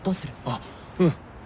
あっうん。